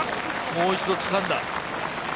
もう一度つかんだ。